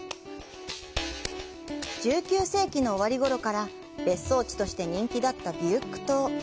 １９世紀の終わりごろから別荘地として人気だったビュユック島。